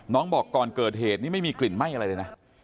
บอกก่อนเกิดเหตุนี้ไม่มีกลิ่นไหม้อะไรเลยนะ